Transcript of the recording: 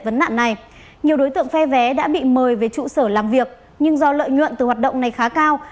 vấn nạn này nhiều đối tượng phe vé đã bị mời về trụ sở làm việc nhưng do lợi nhuận từ hoạt động này khá cao